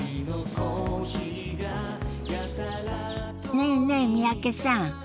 ねえねえ三宅さん。